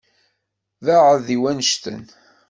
Beεεed i wannect-en.